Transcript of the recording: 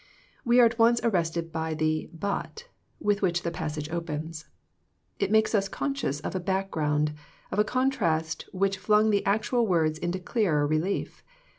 We are at once arrested by the " but " with which the passage opens. It makes us conscious of a background, of a contrast which flung the actual words into clearer relief.